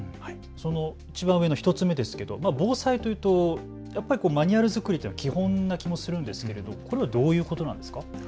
いちばん上の１つ目ですが防災というとやっぱりマニュアル作りというのは基本な気もするんですがこれはどういうことなんですか。